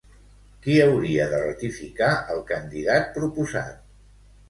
Qui hauria de ratificar el candidat proposat?